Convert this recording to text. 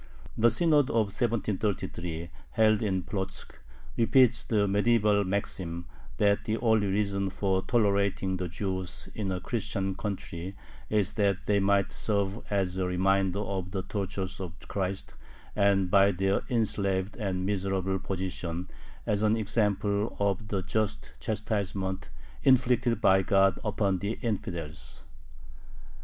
The Synod of 1733 held in Plotzk repeats the medieval maxim, that the only reason for tolerating the Jews in a Christian country is that they might serve as a "reminder of the tortures of Christ and, by their enslaved and miserable position, as an example of the just chastisement inflicted by God upon the infidels."